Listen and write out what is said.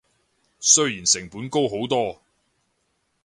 雖然成本高好多